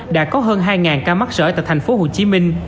đã có hơn hai ca mắc sởi tại tp hcm